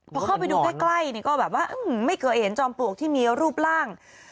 พอเข้าไปดูใกล้ก็แบบว่าไม่เคยเห็นจอมปลวกที่มีรูปร่าง